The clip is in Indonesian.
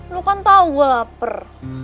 lu kan tahu gue lapar